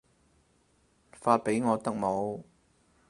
發畀我得冇